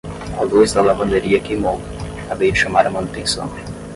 A luz da lavanderia queimou, acabei de chamar a manutenção.